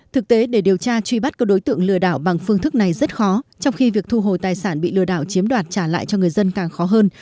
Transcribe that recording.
thực tế để điều tra truy bắt các đối tượng lừa đảo bằng phương thức này rất khó trong khi việc thu hồi tài sản bị lừa đảo chiếm đoạt trả lại cho người dân càng khó hơn